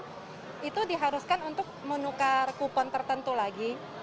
kita haruskan untuk menukar kupon tertentu lagi